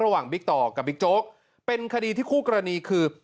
บิ๊กต่อกับบิ๊กโจ๊กเป็นคดีที่คู่กรณีคือ